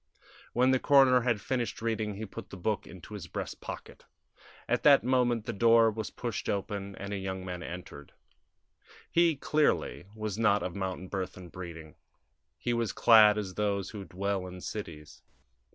When the coroner had finished reading he put the book into his breast pocket. At that moment the door was pushed open and a young man entered. He, clearly, was not of mountain birth and breeding: he was clad as those who dwell in cities.